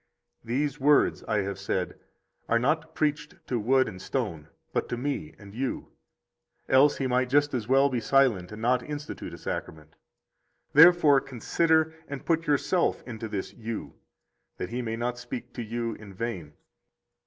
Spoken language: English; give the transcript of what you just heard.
65 These words, I have said, are not preached to wood and stone, but to me and you; else He might just as well be silent and not institute a Sacrament. Therefore consider, and put yourself into this You, that He may not speak to you in vain.